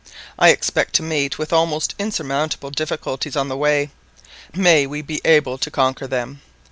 I expect to meet with almost insurmountable difficulties on the way; may we be able to conquer them!